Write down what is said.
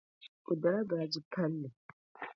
O dala baaji palli.